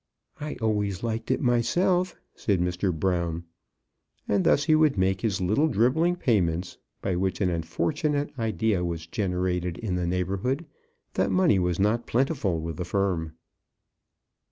"I always liked it myself," said Mr. Brown. And thus he would make little dribbling payments, by which an unfortunate idea was generated in the neighbourhood that money was not plentiful with the firm.